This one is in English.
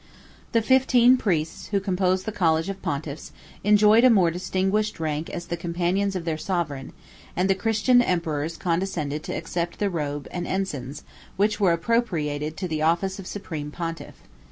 The fifteen priests, who composed the college of pontiffs, enjoyed a more distinguished rank as the companions of their sovereign; and the Christian emperors condescended to accept the robe and ensigns, which were appropriated to the office of supreme pontiff.